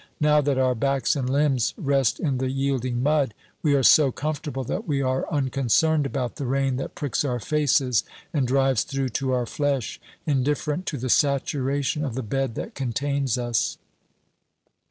Now that our backs and limbs rest in the yielding mud, we are so comfortable that we are unconcerned about the rain that pricks our faces and drives through to our flesh, indifferent to the saturation of the bed that contains us.